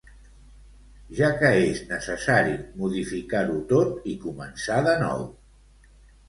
Ja que és necessari modificar-ho tot i començar de nou.